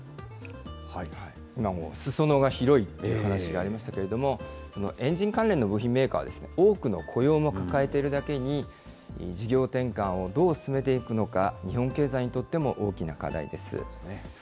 今もすそ野が広いという話がありましたけれども、エンジン関連の部品メーカーは、多くの雇用も抱えているだけに、事業転換をどう進めていくのか、日本経済にとっても大きな課題です。